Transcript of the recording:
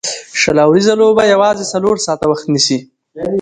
شل اووريزه لوبه یوازي څلور ساعته وخت نیسي.